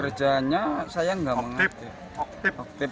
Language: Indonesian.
kerjanya saya enggak mengaktifkan